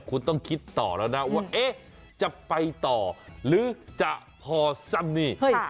คุณต้องคิดต่อแล้วนะว่าจะไปต่อหรือจะพอซ้ำนี่